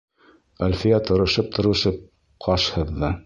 Әлфиә тырышып-тырышып ҡаш һыҙҙы.